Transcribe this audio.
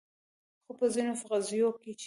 خو په ځینو قضیو کې چې